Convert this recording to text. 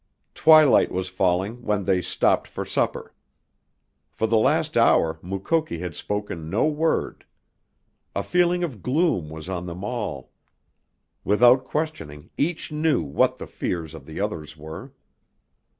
Twilight was falling when they stopped for supper. For the last hour Mukoki had spoken no word. A feeling of gloom was on them all; without questioning, each knew what the fears of the others were.